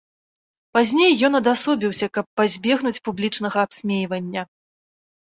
Пазней ён адасобіўся, каб пазбегнуць публічнага абсмейвання.